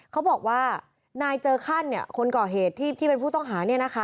เขาบอกว่านายเจอขั้นคนก่อเหตุที่เป็นผู้ต้องหา